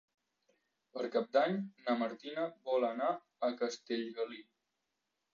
Per Cap d'Any na Martina vol anar a Castellgalí.